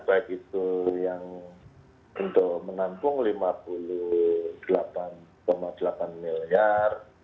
baik itu yang untuk menampung lima puluh delapan delapan miliar